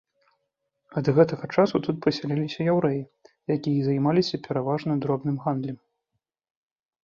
Ад гэтага часу тут пасяліліся яўрэі, якія займаліся пераважна дробным гандлем.